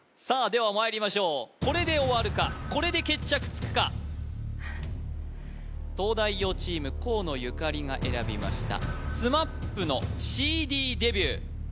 さあではまいりましょうこれで終わるかこれで決着つくか東大王チーム河野ゆかりが選びましたＳＭＡＰのＣＤデビュー